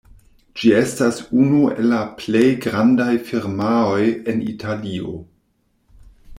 Ĝi estas unu el la plej grandaj firmaoj en Italio.